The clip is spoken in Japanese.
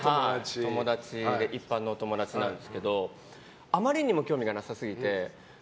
一般のお友達なんですけどあまりにも興味がなさすぎて。